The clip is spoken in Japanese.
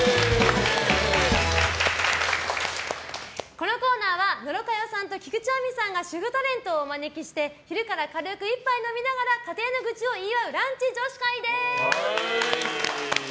このコーナーは野呂佳代さんと菊地亜美さんが主婦タレントをお招きして昼から軽く１杯飲みながら家庭の愚痴を言い合うランチ女子会です。